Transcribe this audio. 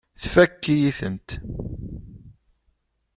Tfakk-iyi-tent.